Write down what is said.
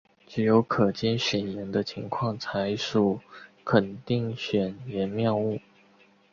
只有可兼选言的情况才属肯定选言谬误。